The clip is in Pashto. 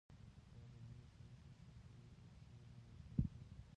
آیا په ځینو سیمو کې ښځې هم مرسته نه کوي؟